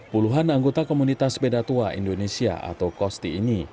puluhan anggota komunitas sepeda tua indonesia atau kosti ini